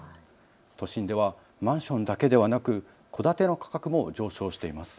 都心ではマンションだけではなく戸建ての価格も上昇しています。